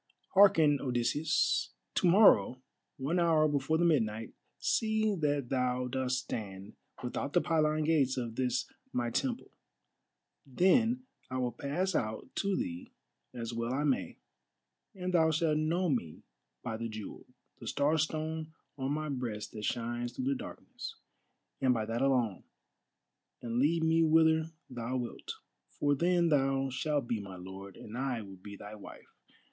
Hearken, Odysseus. To morrow, one hour before the midnight, see that thou dost stand without the pylon gates of this my temple; then I will pass out to thee as well I may, and thou shalt know me by the jewel, the Star stone on my breast that shines through the darkness, and by that alone, and lead me whither thou wilt. For then thou shalt be my lord, and I will be thy wife.